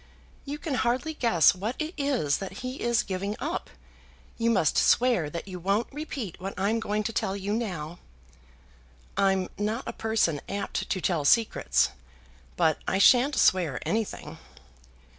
You can hardly guess what it is that he is giving up. You must swear that you won't repeat what I'm going to tell you now?" "I'm not a person apt to tell secrets, but I shan't swear anything."